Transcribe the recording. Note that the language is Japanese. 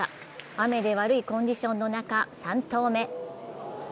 雨で悪いコンディションの中３投目。